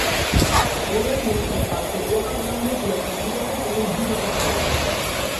পরের মৌসুমে পার্থের ওয়াকা গ্রাউন্ডের শ্রীলঙ্কার বিপক্ষে প্রথম দ্বি-শতক করেন।